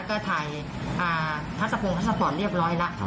ก็ถ่ายทัศพงค์ทัศพอร์ตเรียบร้อยแล้ว